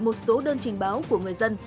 một số đơn trình báo của người dân